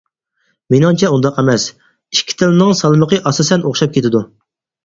مېنىڭچە ئۇنداق ئەمەس، ئىككى تىلنىڭ سالمىقى ئاساسەن ئوخشاپ كېتىدۇ.